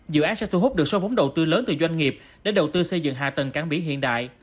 dự án sẽ thu hút được số vốn đầu tư lớn từ doanh nghiệp để đầu tư xây dựng hạ tầng cảng bỉ hiện đại